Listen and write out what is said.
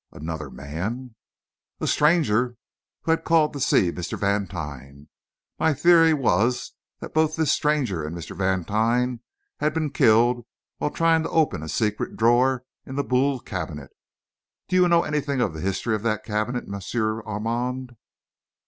"Another man?" "A stranger who had called to see Mr. Vantine. My theory was that both this stranger and Mr. Vantine had been killed while trying to open a secret drawer in the Boule cabinet. Do you know anything of the history of that cabinet, Monsieur Armand?"